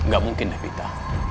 gak mungkin levita